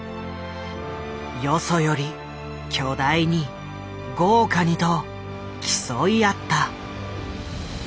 よそより巨大に豪華にと競い合った。